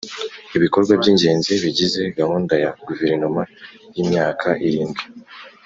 Ibikorwa by’ingezi bigize Gahunda ya Guverinoma y ‘imyaka irindwi